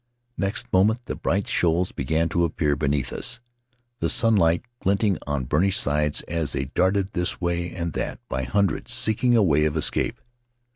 Next moment the bright shoals began to appear beneath us, the sunlight glinting on burnished sides as they darted this way and that by hundreds, seeking a way of escape.